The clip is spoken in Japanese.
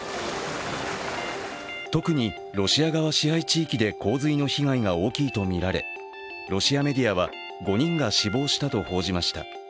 特にロシア側支配地域で洪水の被害が大きいとみられロシアメディアは５人が死亡したと報じました。